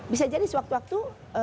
bisa jadi suatu waktu